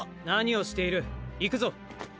何をしている行くぞ！